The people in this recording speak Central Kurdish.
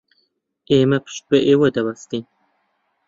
ئێمە پشت بە ئێوە دەبەستین.